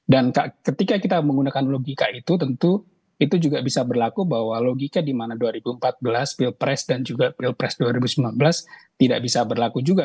dan ketika kita menggunakan logika itu tentu itu juga bisa berlaku bahwa logika di mana dua ribu empat belas pilpres dan juga pilpres dua ribu sembilan belas tidak bisa berlaku juga